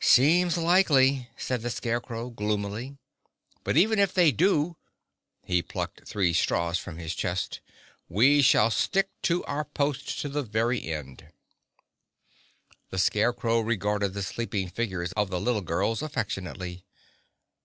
"Seems likely," said the Scarecrow gloomily. "But even if they do," he plucked three straws from his chest, "we shall stick to our post to the very end." The Scarecrow regarded the sleeping figures of the little girls affectionately.